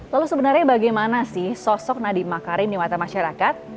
lalu sebenarnya bagaimana sih sosok nadiem makarim di mata masyarakat